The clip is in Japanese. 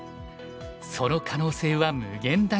その可能性は無限大です。